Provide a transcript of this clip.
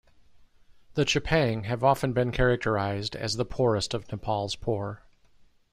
The Chepang have often been characterized as the poorest of Nepal's poor.